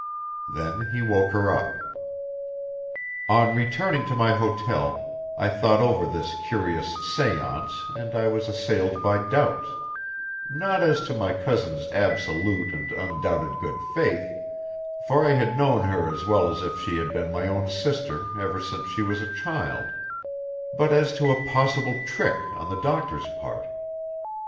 Then he woke her up. On returning to my hotel, I thought over this curious séance and I was assailed by doubts, not as to my cousin's absolute and undoubted good faith, for I had known her as well as if she had been my own sister ever since she was a child, but as to a possible trick on the doctor's part.